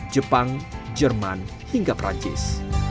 jepang jerman hingga perancis